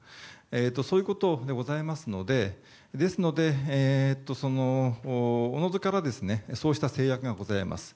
そういうことでございますのでおのずからそういった制約がございます。